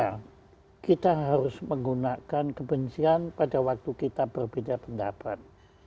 karena kita harus menggunakan kebencian pada waktu kita berbeda pendapat